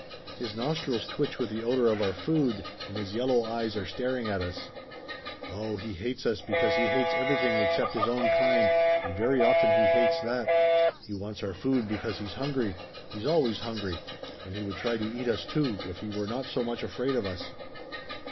His nostrils twitch with the odor of our food, and his yellow eyes are staring at us. Oh, he hates us because he hates everything except his own kind and very often he hates that. He wants our food because he's hungry he's always hungry and he would try to eat us too if he were not so much afraid of us."